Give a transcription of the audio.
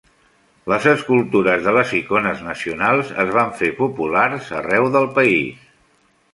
Les escultures de les icones nacionals es van fer populars arreu del país.